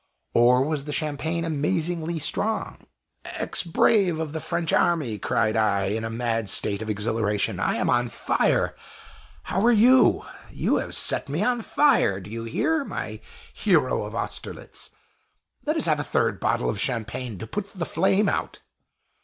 Or was the Champagne amazingly strong? "Ex brave of the French Army!" cried I, in a mad state of exhilaration, "I am on fire! how are you? You have set me on fire! Do you hear, my hero of Austerlitz? Let us have a third bottle of Champagne to put the flame out!"